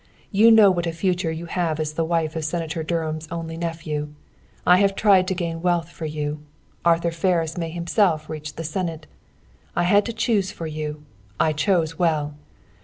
You know what a future you will have as the wife of Senator Dunham's only nephew. I have tried to gain wealth for you. Arthur Ferris may Himself reach the Senate. I had to choose for you. I chose well.